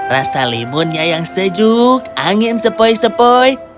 rasa limunnya yang sejuk angin sepoi sepoi